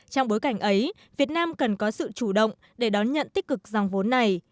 trong bối cảnh ấy việt nam cần có sự chủ động để đón nhận tích cực dòng vốn này